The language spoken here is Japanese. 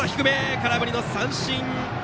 空振り三振！